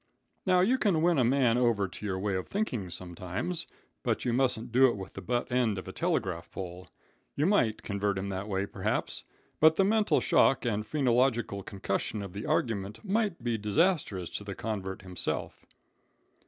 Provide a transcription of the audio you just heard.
"Now, you can win a man over to your way of thinking, sometimes, but you mustn't do it with the butt end of a telegraph pole. You might convert him that way, perhaps, but the mental shock and phrenological concussion of the argument might be disastrous to the convert himself.